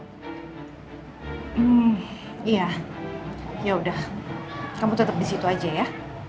hmm iya yaudah kamu tetap di situ aja ya